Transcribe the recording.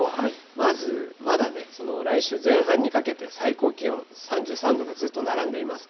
まず、まだね、来週前半にかけて、最高気温３３度がずっと並んでいます。